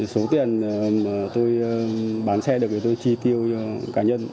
số tiền tôi bán xe được tôi chi tiêu cho cá nhân